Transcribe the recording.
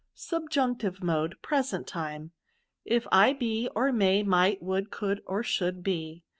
SfjBJUMCTivE Modi. Present Time. If I be, or may, might, would, could> or should, be.